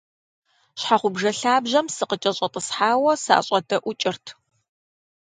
Щхьэгъубжэ лъабжьэм сыкъыкӀэщӀэтӀысхьауэ, сащӏэдэӏукӏырт.